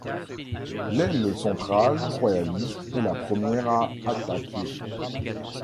L'aile centrale royaliste est la première à attaquer.